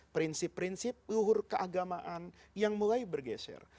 prinsip prinsip luhur keagamaan yang mulai bergeser